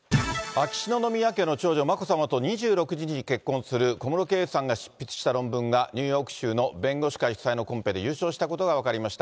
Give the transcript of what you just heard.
秋篠宮家の長女、眞子さまと２６日に結婚する小室圭さんが執筆した論文がニューヨーク州の弁護士会主催のコンペで優勝したことが分かりました。